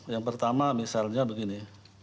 yang pertama misalnya begini